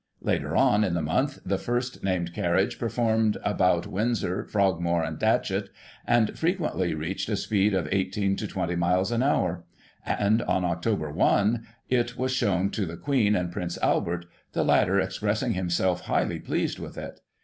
Later on in the month the first named carriage performed about Windsor, Frogmore and Dachet, and frequently reached a speed of 18 to 20 miles an hour; and on Oct. i it was shown to the Queen and Prince Albert, the latter expressing himself highly pleased with it.